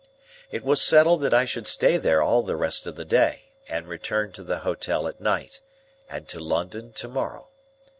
It was settled that I should stay there all the rest of the day, and return to the hotel at night, and to London to morrow.